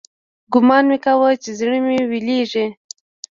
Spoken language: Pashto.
ګومان مې کاوه چې زړه مې ويلېږي.